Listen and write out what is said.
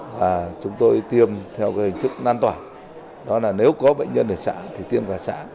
và chúng tôi tiêm theo hình thức nan tỏa đó là nếu có bệnh nhân ở xã thì tiêm cả xã